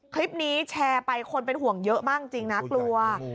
คลิปนี้แชร์ไปคนเป็นห่วงเยอะมากจริงนะกลัว